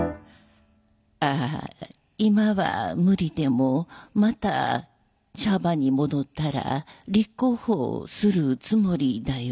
ああ今は無理でもまたシャバに戻ったら立候補するつもりだよ。